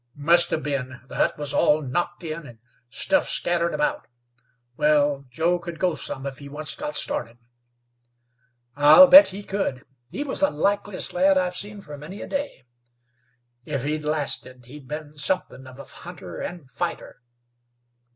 "Must hev been. The hut was all knocked in, an' stuff scattered about. Wal, Joe could go some if he onct got started." "I'll bet he could. He was the likeliest lad I've seen for many a day." "If he'd lasted, he'd been somethin' of a hunter an' fighter."